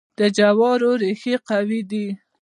د جوارو ریښې قوي دي.